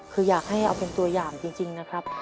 คืออยากให้เอาเป็นตัวอย่างจริงนะครับ